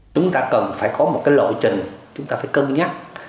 chúng ta cần phải có một cái lộ trình chúng ta phải cân nhắc